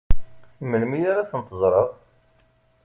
Melmi ad tent-ẓṛeɣ?